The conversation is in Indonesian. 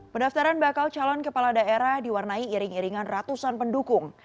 pendaftaran bakal calon kepala daerah diwarnai iring iringan ratusan pendukung